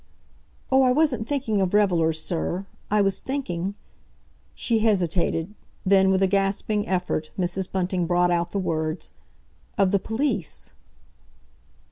"Oh, I wasn't thinking of revellers, sir; I was thinking"—she hesitated, then, with a gasping effort Mrs. Bunting brought out the words, "of the police."